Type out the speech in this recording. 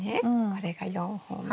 これが４本目。